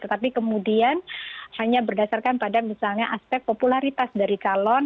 tetapi kemudian hanya berdasarkan pada misalnya aspek popularitas dari calon